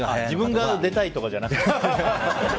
自分が出たいとかじゃなくて。